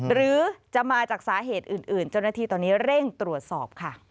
หรือจะมาจากสาเหตุอื่นเจ้าหน้าที่ตอนนี้เร่งตรวจสอบค่ะ